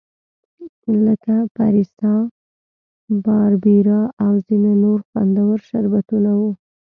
لکه فریسا، باربیرا او ځیني نور خوندور شربتونه وو.